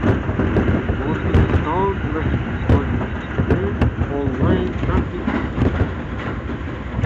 O‘zbekiston va Hindiston yetakchilari onlayn-sammit o‘tkazadilar